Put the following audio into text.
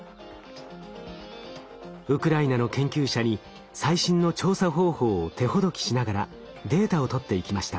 ウクライナの研究者に最新の調査方法を手ほどきしながらデータを取っていきました。